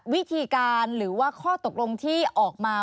วิธีการหรือว่าข้อตกลงที่ออกมา